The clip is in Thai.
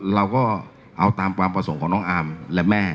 เราก็เอาตามความประสงค์ของน้องอาร์มและแม่